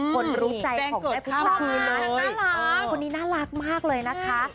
คนรู้ใจของแม่ผู้ชอบคืนคนนี้น่ารักมากเลยนะคะ